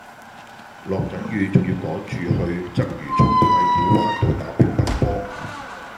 落緊雨仲要趕住去鰂魚涌太古灣道打乒乓波